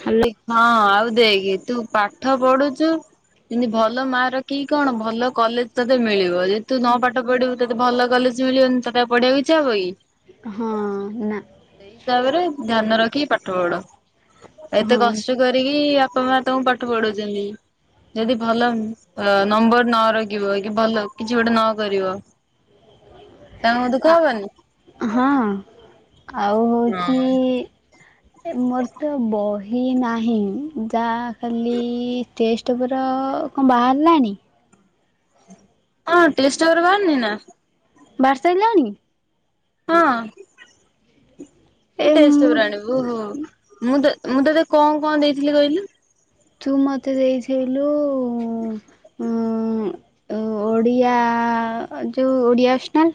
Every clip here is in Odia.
ହ୍ୟାଲୋ ହଁ ଆଉ ଦେଇକି ତୁ ପାଠ ପଢୁଚୁ ଏମତି ଭଲ ମ ରଖ କଣ ଭଲ କଲେଜ ତତେ ମିଳିବ ଯେଦ ତୁ ନ ପାଠ ପଢିବୁ ତତେ ଭଲ କଲେଜ ମି ପଢେଇ କିଛି ହବ କି? ହଁ। ନା। ସେଇ ହିସାବରେ ଧ୍ୟାନ ରଖି ପାଠ ପଢ। ଏତେ ହଁ କଷ୍ଟ କରିକି ବାପା ମା ତଙ୍କୁ ପାଠ ପଢୁଛନ୍ତି। ଯଦି ଭଲ ନମ୍ବର ନରଖିବ କି ଭଲ କିଛି ଗୋଟେ ନ କରିବ ହଁ ତାଙ୍କୁ ଦୁଃଖ ହବନି? ହଁ ଆଉ ହଁ ହୋଉଛି ମୋର ତ ବହି କି ନାହିଁ, ଯାହା ଖାଲି ଟେଷ୍ଟ ଉପର କଣ ବାହାରିଲାଣି? ହଁ ଟେଷ୍ଟ ପେପର୍ ବାହାରି ନି ନା? ବାହାର ସାରିଲାଣି? ହଁ। କି ଏ ଟେଷ୍ଟବ ମୁଁ ଆଣିବୁ, ମୁଁ ମୁଁ ତତେ କଣ କଣ ଦେଇଥିଲି କହିଲୁ? ତୁ ମତେ ଦେଇସେଇଲୁ ଉ ଓଡ଼ିଆ ଯେଉଁ ଓଡ଼ିଆ [unintelligible]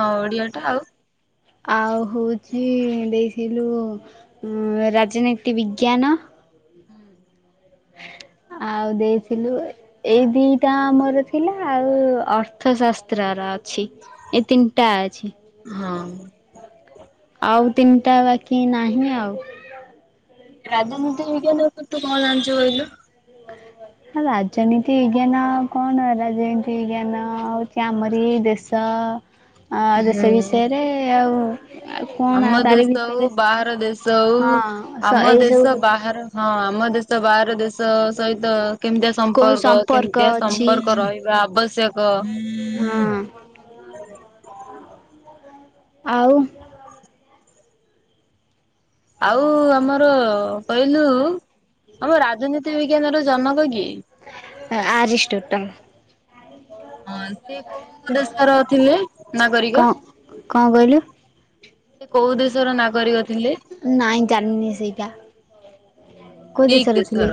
ହଁ ଓଡିଆ ତ ଆଉ ଆଉ ହଉଛି ଦେଇଥିଲୁ ରାଜନୀତି ବିଜ୍ଞାନ। ହୁଁ ଆଉ ଦେଇଥିଲୁ ଏଇ ଦିଟା ମୋର ଥିଲା, ଆଉ ଅର୍ଥଶାସ୍ତ୍ର ର ଅଛି। ଏ ତିନିଟା ଅଛି। ହଁ। ଆଉ ତିନିଟା ବାକି ନାହିଁ ଆଉ। ରାଜନୀତି ବିଜ୍ଞାନ ଉପରେ ତୁ କଣ ଜାଣିଚୁ କହିଲୁ? [unintelligible] ରାଜନୀତି ବିଜ୍ଞାନ କଣ ରାଜନୀତି ବିଜ୍ଞାନ ହଉଛି ଆମର ଏଇ ଦେଶ ତ ଦେଶ ହୁଁ। ବିଷୟରେ ଆଉ ଆଉ କଣ ଆମ ତାରି ଦେଶ ହଉ ଭିତରେ ବାହାର ଦେଶ ହଉ ହଁ ସ ଆମ ଏଇ ସବୁ ଦେଶ ବାହାର ହଁ ଆମ ଦେଶ ବାହାର ଦେଶ ସହିତ କେମିତିଆ କୋଉ ସମ୍ପର୍କ କେମିତିଆ ଅଛି ସମ୍ପର୍କ ରହିବା ଆବଶ୍ୟକ? ହଁ। ଆଉ? ଆଉ ଆମର କହିଲୁ ଆମ ରାଜନୀତି ବିଜ୍ଞାନ ର ଜନକ କିଏ? ଆରିଷ୍ଟଟମ୍। ହଁ, ସିଏ କୋଉ ଦେଶର ଥିଲେ କଣ ନାଗରିକ? କଣ କହିଲୁ? ସେ କୋଉ ଦେଶର ନାଗରିକ ଥିଲେ? ନାଇଁ ଜାଣିନି ସେଇଟା, କୋଉ ଦେଶର ଥିଲେ?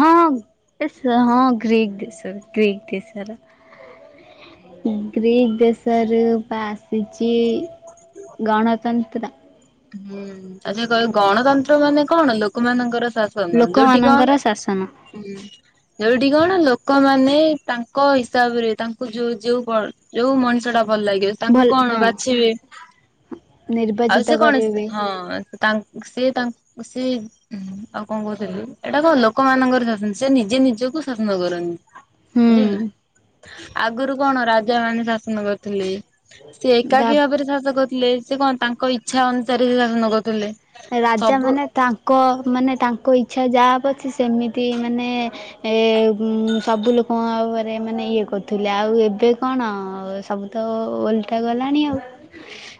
ହଁଁ, ହଁ, ଗ୍ରୀକ୍ ଦେଶ ରେ ଗ୍ରୀକ୍ ଦେଶର। ଗ୍ରୀକ୍ ଦେଶ ସାର୍ ବା ଆସିଛି ଗଣତନ୍ତ୍ର। ହୁଁ, ଆଛା କହିଲୁ ଗଣତନ୍ତ୍ର ମାନେ କଣ ଲୋକ ମାନଙ୍କର ଶା ସନ ଯୋଉଠି ଲୋକମାନଙ୍କର କଣ ଶାସନ ହୁଁ। ଯୋଉଠି କଣ ଲୋକମାନେ ତାଙ୍କ ହିସାବରେ ତାଙ୍କୁ ଯୋଉ, ଯୋଉ ଯୋଉ ମଣିଷ ଟା ଭଲ ଲାଗିବ ତାଙ୍କୁ ଭଲ କଣ ହଁ। ବାଛିବେ ଆଉ ନିର୍ବାଚିତ ସେ କଣ କରିବେ। ହଁ ତାଙ୍କୁ ସେ ତା ତାଙ୍କୁ ସେ ଉ, ହୁଁ, ଆଉ କଣ କହୁଥିଲି ଏଇଟା ତ ଲୋକମାନଙ୍କର ଶାସନ ସେ ନିଜେ ନିଜକୁ ଶାସନ କରନ୍ତି। ହୁଁ ବୁଝିଲୁ, ଆଗରୁ କଣ ରାଜା ମାନେ ଶାସନ କରୁଥିଲେ। ସେ ଦା ଏକାକି ଭାବରେ ଶାସକ ଥିଲେ, ସେ କଣ ତାଙ୍କ ଇଚ୍ଛା ଅନୁସାରେ ସେ ଶାସନ କରୁଥିଲେ। ରାଜା ସବୁ ମାନେ ତାଙ୍କ ମାନେ ତାଙ୍କ ଇଚ୍ଛା ଯାହା ହବ ସେମିତି ମାନେ ଏ ସବୁ ଲୋକଙ୍କରେ ମାନେ ଇଏ କରୁଥିଲେ ଆଉ ଏବେ କଣ ସବୁ ତ ଓଲଟା ଗଲାଣି ଆଉ।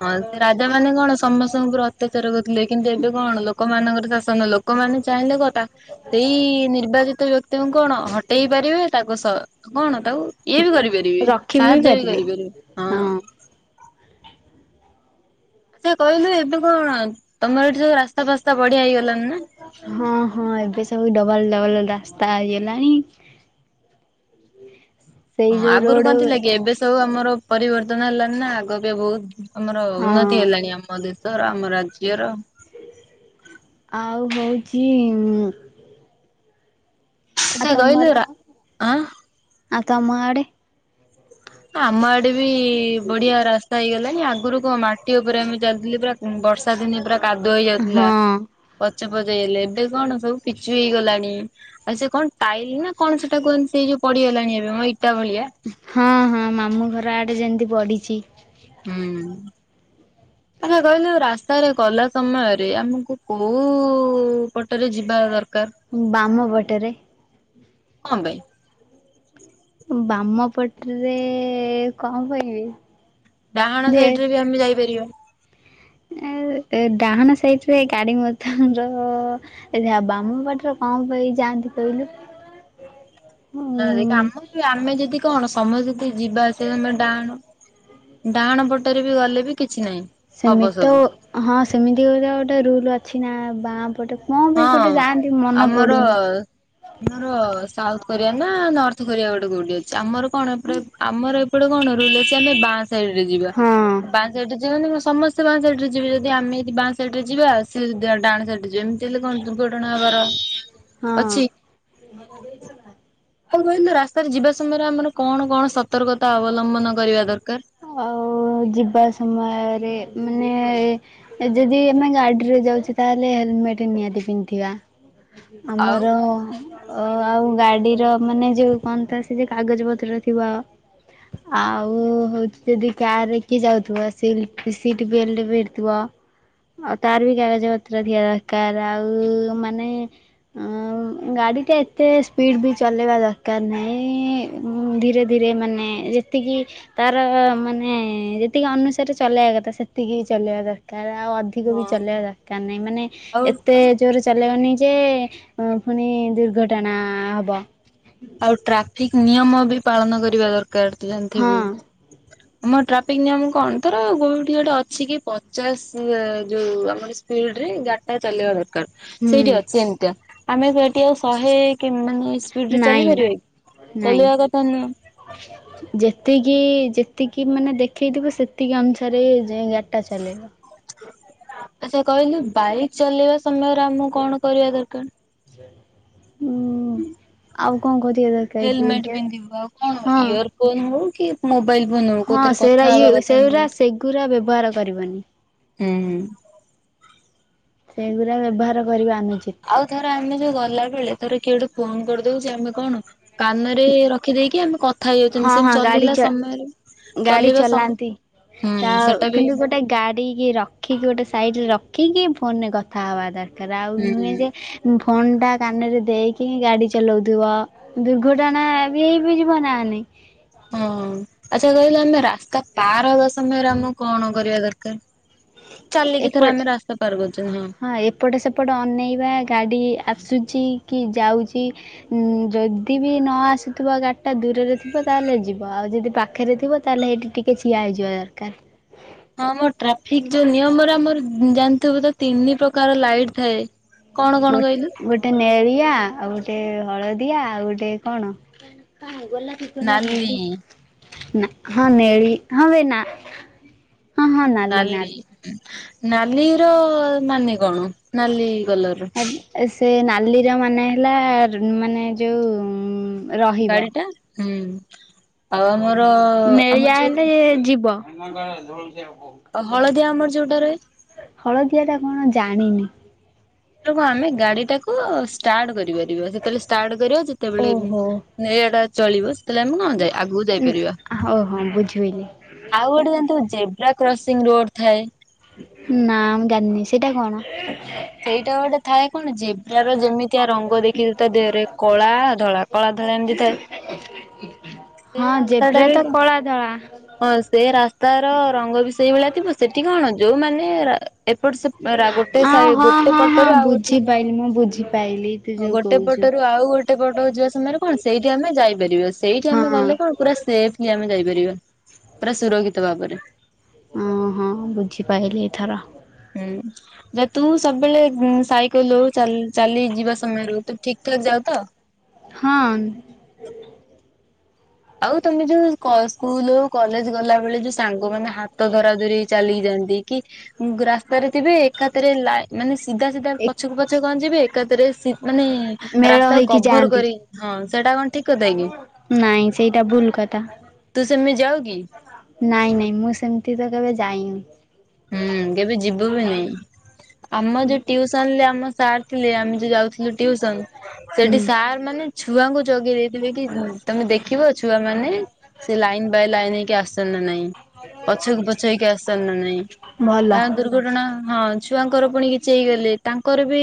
ହଁ ସେ ରାଜା ମାନେ କଣ ସମସ୍ତଙ୍କ ଉପରେ ଅତ୍ୟାଚାର କରୁଥିଲେ କିନ୍ତୁ ଏବେ କଣ ଲୋକମାନଙ୍କର ଶାସନ ଲୋକ ଲୋକ ମାନେ ଚାହିଁଲେ କଣ ତା ସେଇ ନିର୍ବାଚିତ ବ୍ୟକ୍ତିଙ୍କୁ କଣ ହଟେଇ ପାରିବେ, ତାଙ୍କ ସହ କଣ ତାକୁ ଇଏ ବି କରିପାରିବେ, ରଖି ସାହାଯ୍ୟ ବି ପାରିବେ। କରିପାରିବେ। ହଁ ହଁ। ଆଚ୍ଛା ସେ କହିଲୁ ଏବେ କଣ ତମର ଏଠି ସବୁ ରାସ୍ତା ଫାସ୍ତା ବଢିଆ ହେଇଗଲଣି ନା। ହଁ, ହଁ, ଏବେ ସବୁ ଡବଲ ଡବଲ ରାସ୍ତା ହେଇଗଲାଣି। [unintelligible] ହଁ, ଆଗରୁ ରୋଡ କଣ ଥିଲା କି ଏବେ ସବୁ ଆମର ପରିବର୍ତ୍ତନ ହେଲାନି ନା ଆଗ ଅପେକ୍ଷା ବହୁତ ଆମର ହଁ ଉନ୍ନତି ହେଲାଣି, ଆମ ଦେଶର, ଆମ ରାଜ୍ୟର। ଆଉ ହଉଚି ଆ ଆଚ୍ଛା କହିଲୁ ତମର ରା ଆଁ ଆ ତମ ଆଡ଼େ। ଆମ ଆଡେ ବି ବଢିଆ ରାସ୍ତା ହେଇଗଲାଣିି, ଆଗରୁ କଣ ମାଟି ଉପରେ ଆମେ ଚାଲିଥିଲେ ପୁରା ବର୍ଷା ଦିନେ ପୁରା କାଦୁଅ ହେଇ ଯାଉଥିଲା। ହଁ ପଚ ପଚ ହେଲେ ଏବେ କଣ ସବୁ ପିଚୁ ହେଇଗଲାଣି। ଆ ସେ କଣ ଟାଇଲି ନା କଣ ସେଟା କୁହନ୍ତି ସେଇ ଯୋଉ ପଡିିଗଲାଣି ଏବେ ମୋ ଇଟା ଭଳିଆ। ହଁ, ହଁ, ମାମୁଁ ଘର ଆଡେ ଯେମତି ପଡିଛି। ହୁଁ,। [unintelligible] ଆଚ୍ଛା, କହିଲୁ ରାସ୍ତାରେ ଗଲା ସମୟରେ ଆମକୁ କୋଉ ପଟରେ ଯିବା ଦରକାର। ବାମ ପଟରେ। କଁ ପାଇଁ? ବାମ ପଟରେ କଣ କଁ ପାଇଁ ବେ। ଡାହାଣ ସାଇଡ ରେ ବି ଆମେ ଯାଇପାରିବା। ଏ ଡାହାଣ ସାଇଟରେ ଗାଡି ମଟ ର ଆଛା ବାମ ପାଟରେ କଣ ପାଇଁ ଯାଆନ୍ତି କହିଲୁ? ନା ଦେଖ ଉଁ ଆମର ବି ଆମେ ଯଦି କଣ ସମସ୍ତେ ଯଦି ଯିବା ଆସିବା ସମୟ ରେ ଡାହାଣ ଡାହାଣ ପଟରେ ବି ଗଲେ ବି କିଛି ନାହିଁ। ହବ ସେମିତି ତ ସବୁ। ହଁ ସେମିତି ଗୋଟ ଗୋଟେ ରୁଲ ଅଛି ନା ବାଁ ପଟେ କଁ ହଁ ପାଇଁ ଗୋଟେ ଯାଆନ୍ତି ମନ ଆମର ପଡୁନି। ଆମର ସାଉଥ କୋରିଆ ନା ନର୍ଥ କୋରିଆ ଗୋଟେ କୋଉଠି ଅଛି, ଆମର କଣ ଏପ ଆମର ସେପଟେ କଣ ରୁଲ ଅଛି ଆମେ ବାଁ ସାଇଡରେ ଯିବା ହଁ ବାଁ ସାଇଡରେ ଯିବା ସମସ୍ତେ। ସେ ବାଁ ସାଇଟରେ ଯିବ ଯଦ ଆମେ ଯଦି ବାଁ ସାଇଟରେ ଯିବା ଆଉ ସେଏ ଡାଣ ସାାଇଟରେ ଯିବେ। ହେଲେ କଣ ଦୁର୍ଘଟଣା ହେବାର ହଁ ଅଛି। ଆଉ କହନ୍ତ ରାସ୍ତାରେ ଯିବା। ସମୟରେ ଆମର କଣ କଣ ସତର୍କତା ଅବଲମ୍ବନ କରିବା ଦରକାର। ଆଉ ଯିବା ସମୟରେ ମାନେ ଯଦି ଆମେ ଗାଡିରେ ଯାଉଛେ ତାହେଲେ ହେଲମେଟ ନିହାତି ପିନ୍ଧିବା। ଆଉ ଆମର ଓ ଆଉ ଗାଡିର ମାନେ ଯୋଉ କହଣ ସେ ଯଉ କାଗଜ ପତ୍ର ଥିବ। ଆଉ ହଉ ଯଦି କାର ରେ କିଏ ଯାଉଥିବ ସିଲ ସିଟ ବେଲ୍ଟ ଭିଡିଥିବ। ଆଉ ତାର ବି କାଗଜ ପତ୍ର ଥିବା ଦରକାର ଆଉ ମାନେ ଗାଡ଼ିଟା ଏତେ ସ୍ପିଡ଼୍ ବି ଚଲେଇବା ଦରକାର ନାହିଁ। ଧୀରେ ଧୀରେ ମାନେ ଯେତିକି ମାନେ ଯେତିକି ଅନୁସାରେ ଚଲେଇବା କଥା ସେତିକି ବି ଚଲେଇବା ଦରକାର ଆଉ ଅଧିକା ବି ହଁ। ଚଲେଇବା ଦରକାର ନାହିଁ ମାନେ ଆଉ ଏତେ ଜୋର ଚଲେଇବନି ଯେ ପୁଣି ଦୁର୍ଘଟଣା ହେବ। ଆଉ ଟ୍ରାଫିକ ନିୟମ ବି ପାଳନ କରିବା ଦରକାର ହଁ ଜାଣିଥିବୁ। ଆମ ଟ୍ରାଫିକ ନିୟମ କଣ ତର ଗୋଉଠି ଗୋଟେ ଅଛି କି ପଚାଶ ଯୋଉ ଆମର ସ୍ପୀଡ଼ରେ ଗାଡିଟା ଚଲେଇବା କଥା। ହୁଁ ସେଇଠି ଅଛି ଏମିତିଆ ଆମେ ସେଠି ଆଉ ଶହେ ମାନେ ନାଇନ୍ ଚାଲିପାରିବେ? ନାଇନ୍ ଚଲେଇବା କଥା ନୁହଁ। ଯେତିକି ଯେତିକି ମାନେ ଦେଖେଇଥିବ ସେତିକି ଅନୁସାରେ ଜିଆଁ। ଗାଡ଼ିଟା ଚଲେଇବ। ଆଚ୍ଛା କହିଲୁ ବାଇକ୍ ଚଲେଇବା ସମୟରେ ଆମକୁ କଣ କରିବା ଦରକାର। ହୁଁ ଆଉ କଣ କରିବା। ଦରକାର ହେଲମେଟ କି ପିନ୍ଧିବୁ ଆଉ କଣ ହଁ ଇୟର ଫୋନ ହଉ କି ମୋବାଇଲ ବନବ ହଁ କଉଥିରେ ସେରା କଥା ଇଏ ହବା କଥା ସେଗୁରା ନୁହ। ସେଗୁରା ବ୍ୟବହାର କରିବନି। ହୁଁ। ସେଗୁଡା ବ୍ୟବହାର କରିବା ଅନୁଚିତ୍। ଆଉ ଥରେ ଆମେ ଯୋଉ ଗଲା ବେଳେ ଧର କିଏ ଗୋଟେ ଫୋନ କରିଦଉଛି ଆମେ କଣ କାନରେ ରଖିଦେଇକି ଆମେ କ କଥା ହଁ ହେଇଯାଉଛନ୍ତି, ସେମ ହଁ ଗାଡି ଚଲିଲା ଚ ସମୟରେ ଗାଡି ଚଲିବା ସମ ଚଲାନ୍ତି ହୁଁ ତା ସେଟା ବି କିନ୍ତୁ ଗୋଟେ ଗାଡ଼ିକି ରଖିକି ଗୋଟେ ସାଇଡ଼ରେ ରଖିକି ଫୋନରେ କଥା ହେବା ଦରକାର। [inaudible] ଆଉ ହୁଁ ନୁହେଁ ଯେ ଫୋନ୍ଟା କାନରେ ଦେଇକି ଗାଡି ଚଲାଉଥିବ। ଦୁର୍ଘଟଣା ବି ହେଇ ବିି ଯିବ ନା ହେଲେ। ହଁ ଆଚ୍ଛା କହିଲ ଆମେ ରାସ୍ତା ପାର ହବା ସମୟରେ ଆମକୁ କଣ କରିବା ଦରକାର? ଚାଲିକି ଏପଟ ଥର ଆମେ ରାସ୍ତା ପରୁଛୁ ହଁ। ହଁ ଏପଟ ସେପଟ ଅନେଇବା ଗାଡ଼ି ଆସୁଛି କି ଯାଉଛି। ଉ ଯଦି ବି ନ ଆସୁଥିବା ଗାଡ଼ିଟା ଦୂରରେ ଥିବ ତାହେଲେ ଯିବ ଆଉ ଯଦି ପାଖରେ ଥିବ ତାହେଲେ ସେଇଠି ଟିକେ ଠିଆ ହେଇଯିବା ଦରକାର। ହଁ ମୋ ଟ୍ରାଫିକ ଯୋଉ ନିୟମରେ ଆମର ଜାଣିଥିବୁ ତ ତିନି ପ୍ରକାର ଲାଇଟ୍ ଥାଏ। କଣ ଗୋ କଣ କହିଲୁ ଗୋଟେ ଗୋଟେ ନେଳିଆ ଆଉ ଗୋଟେ ହଳଦିଆ ଆଉ ଗୋଟେ କଣ? ନାଲି ନା ହଁ ନେଳି ହଁ ବେ ନା ନାଲି, ନାଲିର ମାନେ କଣ ନାଲି କଲର। ସେ ନାଲିର ମାନେ ହେଲା ମାନେ ଯୋଉ ରହିବ। ଗାଡିଟା ହୁଁ। ଆଉ ଆମର ଆମ ନେଳିଆ ଯୋଉ ହେଲେ ଯିବ। ଅହ ହଳଦିଆ ଆମର ଯୋଉଟା ରଏ। ହଳଦିଆ ଟା କଣ ଜାଣିନି। ହେଟାକୁ ଆମେ ଗାଡି ଟାକୁ ଷ୍ଟାର୍ଟ କରିପାରିବା ଯେତୋବେଳେ ଷ୍ଟାର୍ଟ କରିବା ଯେତୋବେଳେ ଓହୋ ନାଇଁ ଏଟା ଚଳିବ ସେତେବେଳେ ଆମେ କଁ ଯା ଆଗୁକୁ ଯାଇପାରିବା। ଓ ହଁ ବୁଝିପାରିଲି ଆଉ ଗୋଟେ ଜାଣିଥିବୁ ଜେବ୍ରା କ୍ରସିଂ ରୋଡ ଥାଏ? ନା ମୁଁ ଜାଣନି ସେଇଟା କଣ? ସେଇଟା ଗୋଟେ ଥାଏ କଣ ଜେବ୍ରାର ଯେମିତିଆ ରଙ୍ଗ ଦେଖିଚୁ ତା ଦେହରେ କଳା ଧଳା। କଳା ଧଳା ଏମତି ଥାଏ। ସେ ହଁ ରାସ୍ତା ଟା ଜେବ୍ରା ବି ତ କଣ କଳା ଧଳା। ହଁ ସେ ରାସ୍ତାର ରଙ୍ଗ ବି ସେଇଭଳିଆ କିନ୍ତୁ ସେଠି କଣ ଯୋଉମାନେ ରା ଏପଟ ସେପ ରା ଗୋଟେ ହଁ ସାଇ ହଁ ଗୋଟେ ହଁ ହଁ ପଟରୁ ଆଉ ଗୋଟେ ବୁଝିପାଇଲି ମୁଁ ବୁଝିପାଇଲି ତୁ ହଁ ଯୋଉ ଗୋଟେ କହୁଛୁ। ପଟରୁ ଆଉ ଗୋଟେ ପଟକୁ ଯିବା ସମୟରେ କଣ ସେଇଠି ଆମେ ଯାଇପାରିବା ସେଇ ଠି ହଁ ଆମେ ଗଲେ କଣ ପୁରା ସେଫ୍ଲି ଆମେ ଯାଇପାରିବା। ପୁରା ସୁରକ୍ଷିତ ଭାବରେ। ଅଁ ହଁ ବୁଝିପାଇଲିି ଏଥର। ହୁଁ। ଯେ ତୁ ସବୁବେଳେ ଉଁ ସାଇକଲ ହୋଉ ଚାଲ ଚାଲି ଯିବା ସମୟରୁ ତୁ ଠିକ୍ ଠାକ୍ ଯାଉ ତ? ହଁ। ଆଉ ତମେ ଯୋଉ କ ସ୍କୁଲ ଆଉ କଲେଜ ଗଲାବେେଳେ ଯୋଉ ସାଙ୍ଗ ମାନେ ହାତ ଧରା ଧରି ହେଇଚ ଚାଲିକି ଯାଆନ୍ତି କି ଉଁ ଗୁ ରାସ୍ତାରେ ଥିବେ ଏକା ଥେରେ ଲାଇ ମାନେ ସିଧା ସିଧା ଏ ପଛୁକୁ ପଛୁକୁ କଁ ଯିବେ ଏକା ଥରେ ସି ମାନେ ମେଳ ରାସ୍ତାକୁ ହେଇକି କଭର ଯାଆନ୍ତି। କରି ହଁ ସେଟା କଁ ଠିକ କଥା କିି? ନାଇଁ ସେଇଟା ଭୁଲ କଥା। ତୁ ସେମିତ ଯାଉ କି? ନାଇଁ ନାଇଁ ମୁଁ ସେମତି ତ କେବେ ଯାଇନି। ହୁଁ କେବେ ଯିବୁ ବି ନାଇଁ ଆମ ଯୋଉ ଟିୟୁ ସନରେ ଆମ ସାର୍ ଥିଲେ ଆମେ ଯୋଉ ଯାଉଥିଲୁ ଟିୟୁସନ ହୁଁ ସେଠି ସାର୍ ମାନେ ଛୁଆଙ୍କୁ ଜଗେଇ ଦେଇଥିବେ କି ଉଁ ତମେ ଦେଖିବ ଛୁଆ ମାନେ ସେ ଲାଇନ୍ ବାଇ ଲାଇନ୍ ହେଇକି ଆସୁଚନ୍ତି ନା ନାଇଁ ପଛକୁ ପଛ ହେଇକି ଆସଚନ୍ତି ନା ନାଇଁ। ଭଲ। ଆ ଦୁର୍ଘଟଣା ହଁ ଛୁଆଙ୍କର ପୁଣି କିଛି ହେଇଗଲେ ତାଙ୍କର ବି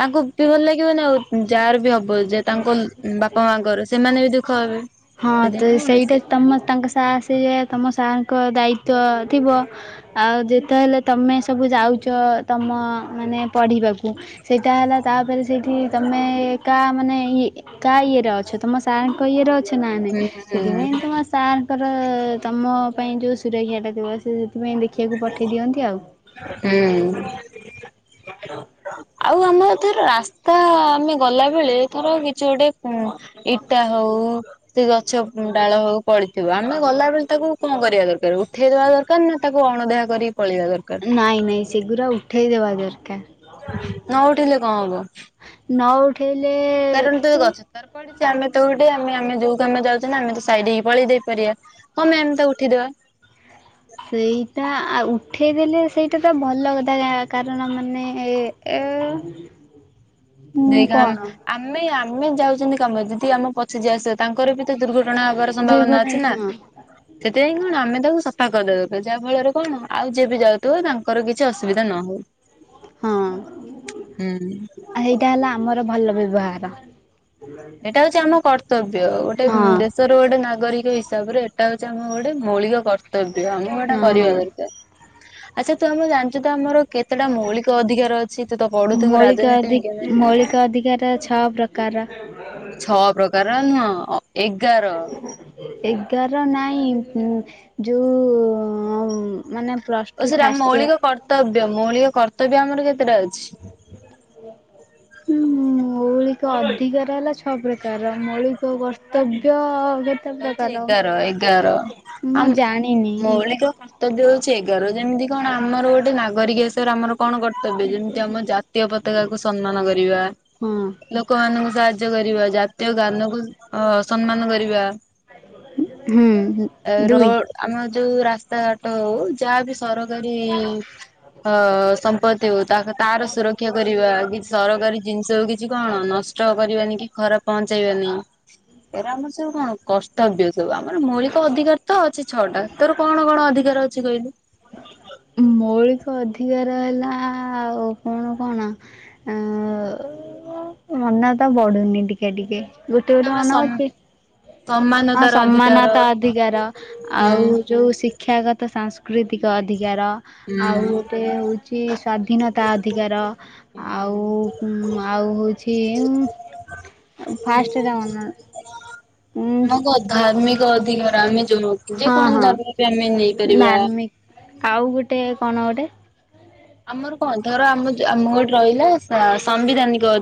ତାଙ୍କୁ ପି ଭଲ ଲାଗିବନା ଆଉ ଯାହାର ବି ହବ ଯେ ତାଙ୍କ ଉଁ ବାପା ମାଙ୍କର ସେମାନେ ବି ଦୁଃଖ ହେବେ। ହଁ ତ ସେଥିପାଇଁ କଣ ସେଇଟା ସେ ତମ ତାଙ୍କ ସାର୍ ସେଇଆ ତମ ସାରଙ୍କ ଦାୟିତ୍ବ ଥିବ। ଆଉ ଯେତେ ହେଲେ ତମେ ସବୁ ଯାଉଚ ତମ ମାନେ ପଢିବାକୁ। ସେଇଟା ହେଲା ତାପେରେ ସେଇଠି ତମେ ଏକା ମାନେ ଇଏ କା ଇଏରେ ଅଛ ତମ ସାର୍ ଙ୍କ ଇଏରେ ଅ ସେ ହୁଁ ନାହାଁନ୍ତି। ସେଥିପାଇଁ ତମ ସାରଙ୍କର ତମ ପାଇଁ ଯୋଉ ସୁରକ୍ଷା ଟା ଥିବ ସିଏ ସେ ଥିପାଇଁ ଦେଖିଆକୁ ପଠେଇ ଦିଅନ୍ତି ଆଉ। ହୁଁ। ଆଉ ଆମର ଥର ରାସ୍ତା ଆମେ ଗଲା ବେଳେ ଥର କିଛି ଗୋଟେ ଉଁ ଇଟା ହୋଉ ସେ ଗଛ ଉଁ ଡାଳ ହୋଉ ପଡି ଥିବ। ଆମେ ଗଲା ବେଳେ ତାକୁ କଣ କରିବା ଦରକାର ଉଠେଇଦବା ଦରକାର ନା ତାକୁ ଅଣଦେଖା କରିକି ପଳେଇବା ଦରକାର? ନାଇଁ ନାଇଁ ସେଗୁରା ଉଠେଇ ଦେବା ଦରକାର। ନ ଉଠେଇଲେ କଁ ହବ? ନ ଉଠେଇଲେ ଉଁ ପଡିଚି ଆମେ ତ ଉଠେଇବା ଆମେ ଆମେ ଯୋଉ କାମେ ଯାଉଚେ ନା ଆମେ ତ ସାଇଡ ହେଇ ପଳେଇ ଯାଇ ପାରିବା। କଣ ପାଇଁ ଆମେ ତାକୁ ଉଠେଇଦେବା? ସେଇଟା ଆ ଉଠେଇଦେଲେ ସେଇଟା ତ ଭଲ କଥା ଆ କାରଣ ମାନେ ଏ ହୁଁ ଦେଖେ ଆମ୍ କଣ ଆମେ ଆମେ ଯାଉଚନ୍ତି କାମରେ ଯଦି ଆମ ପଛେ ଯିଏ ଆସିବ ତାଙ୍କର ବି ତ ଦୁର୍ଘ ଟଣା ହବାର ସମ୍ଭାବନା ଦୁର୍ଘଟଣା ଅଛି ନା। ହଁ ସେଥିପାଇଁ କଣ ଆମେ ତାକୁ ସଫା କରିଦୋଉଥିବେ ଯାହା ଫଳରେ କଣ ଆଉ ଯିଏ ବି ଯାଉଥିବ ତା ଙ୍କର କିଛି ଅସୁବିଧା ନ ହଉ। ହଁ। ହୁଁ। ଏଇଟା ହେଲା ଆମର ଭଲ ବ୍ୟବହାର। ଏଇଟା ହଉଛି ଆମ କର୍ତ୍ତବ୍ୟ, ଗୋଟେ ହଁ ଦେଶର ଗୋଟେ ନାଗରିକ ହିସାବରେ ସେଇଟା ହଉଛି ଆମ ଗୋଟେ ମୌଳିକ କର୍ତ୍ତବ୍ୟ, ଆମକୁ ହେଟା ହଁ। କରିବା ଦରକାର। ଆଚ୍ଛା ତୁ ଆମଁ ଜାଣିଛୁ ତ ଆମର କେତେଟା ମୌଳିକ ଅଧିକାର ଅଛି? ତୁ ତ ପଢୁଥୁ ମୌଳିକ ରାଜନୀତି ଅଧି ବିଜ୍ଞାନ ମୌଳିକ ଅଧିକାର ଅ [unintelligible] ସ ପ୍ରକାର। ଛଅ ପ୍ରକାର ନୁହ ଏଗାର। ଏଗାର ନାଇଁ ଯୋଉ ମାନେ ପ୍ଲସ୍ ଓ ଟୁ ସେଟା ଫାଷ୍ଟ ମୌଳିକ କର୍ତ୍ତବ୍ୟ ମୌଳିକ କର୍ତ୍ତବ୍ୟ ଆମର କେତେଟା ଅଛି? ହୁଁ ମୌଳିକ ଅଧିକାର ହେଲା ଛ ପ୍ରକାର ମୌଳିକ ବ କର୍ତ୍ତବ୍ୟ କେତେ ହଉଛି ପ୍ରକାର ଏଗାର ଏଗାର ମୁଁ ଆମ ଜାଣିନି। ମୌଳିକ ସତ ହଉଛି ଏଗାର, ଯେମିତି କଣ ଆମର ଗୋଟେ ନାଗରିକ ଆମର କଣ କର୍ତ୍ତବ୍ୟ ଯେମତି ଆମ ଜାତୀୟ ପତାକାକୁ ସମ୍ମାନ କରିବା। ହଁ। ଲୋକମାନାନଙ୍କୁ ସାହାଯ୍ୟ କରିବା ଜାତୀୟ ଜ୍ଞାନ କୁ ସମ୍ମାନ କରିବା। ହୁଁ ହଁ। ରୋଡ଼ ଆମର ଯୋଉ ରାସ୍ତାଘାଟ ହଉ ଯାହା ବି ସରକାରୀ ହ ସମ୍ପତ୍ତି ହଉ ତାର ସୁରକ୍ଷା କରିବା, କିଛି ସରକାରୀ ଜିନିଷ ହଉ କି ଆ କଣ ନଷ୍ଟ କରିବାନି କି ଘରେ ପହଞ୍ଚେଇବାନି ଏ ଆମର ସବୁ କ କର୍ତ୍ତବ୍ୟ ସବୁ, ଆମର ମୌଳିକ ଅଧିକାର ତ ଅଛି ଛଅଟା, ତୋର କଣ କଣ ଅଧିକାର ଅଛି କହିଲୁ? ମୌଳିକ ଅଧିକାର ହେଲା ଆଉ କଣ କଣ? ଅ ମନା ତ ପଡୁନି ଟିକେ ଟିକେ। ଗୋଟେ ଗୋଟେ ଆମର ମନେ ସମ ଅଛି। ହଁ ସମାନତାର ଅଧିକାର ସମାନତା ଅଧିକାର ହୁଁ ଆଉ ଯୋଉ ଶି ଶିକ୍ଷାଗତ ସାଂସ୍କୃତିକ ଅଧିକାର, ଆଉ ହୁଁ। ଗୋଟେ ହେଉଛି ଯେ ସ୍ଵାଧୀନତା ଅଧିକାର। ଆଉ ଆଉ ହୋଉଚି ଫାଷ୍ଟ ମ ଆମକୁ ଧାର୍ମିକ ଅଧିକାର ଆମେ ଜଣାଉଚୁ ହଁ ଯେକୌଣସି ହଁ ଧର୍ମ ବି ଆମେ ନେଇପାରିବା। ଧାର୍ମିକ ଆଉ ଗୋଟେ କଣ ଗୋଟେ? ଆମର କଣ ଧର ଆମ ଆମ ଗୋଟେ ରହିଲା ସାମ୍ବିଧାନିକ